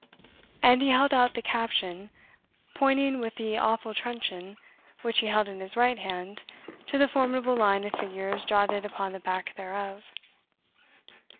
And he held out the caption, pointing with the awful truncheon, which he held in his right hand, to the formidable line of figures jotted upon the back thereof.